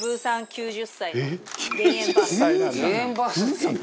９０歳の減塩バースデー。